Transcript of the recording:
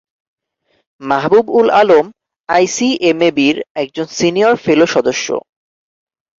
মাহবুব উল আলম আইসিএমএবির একজন senior fellow সদস্য।